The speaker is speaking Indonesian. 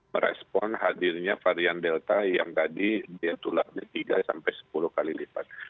merespon hadirnya varian delta yang tadi dia tulangnya tiga sampai sepuluh kali lipat